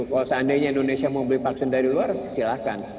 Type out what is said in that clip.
kalau seandainya indonesia mau beli vaksin dari luar silahkan